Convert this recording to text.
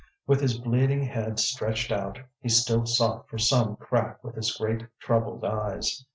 With his bleeding head stretched out, he still sought for some crack with his great troubled eyes.